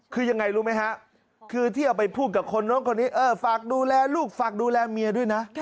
คือยังไงรู้ไหมฮะคือที่เอาไปพูดกับคนนู้นคนนี้ฝากดูแลลูกฝากดูแลเมียด้วยนะ